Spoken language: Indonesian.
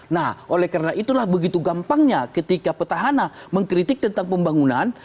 nah oleh karena itulah begitu gampangnya ketika petahana mengkritik tentang pembangunan